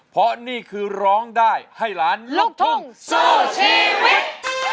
เพราะนี่คือร้องได้ให้ล้านลูกทุ่งสู้ชีวิต